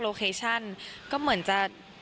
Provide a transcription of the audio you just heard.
เคชั่นก็เหมือนจะ